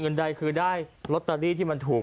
ตุนตุนตุนตุนตุนตุน